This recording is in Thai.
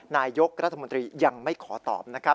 นายกรัฐมนตรียังไม่ขอตอบนะครับ